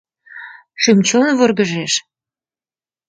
Шӱм-чон вургыжеш.